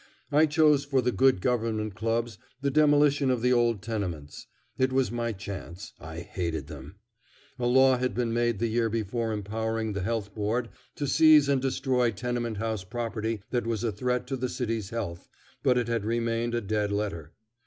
I chose for the Good Government clubs the demolition of the old tenements. It was my chance. I hated them. A law had been made the year before empowering the Health Board to seize and destroy tenement house property that was a threat to the city's health, but it had remained a dead letter.